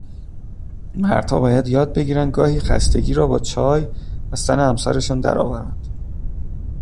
مرد ها باید یاد بگیرند گاهی خستگی را با چای از تن همسرشان درآورند